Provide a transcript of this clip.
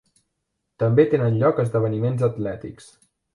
També tenen lloc esdeveniments atlètics.